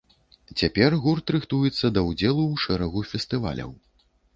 Цяпер гурт рыхтуецца да ўдзелу ў шэрагу фестываляў.